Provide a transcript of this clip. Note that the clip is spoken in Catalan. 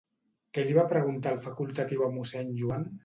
Què li va preguntar el facultatiu a mossèn Joan?